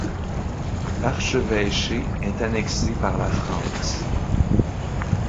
L'archevêché est annexé par la France...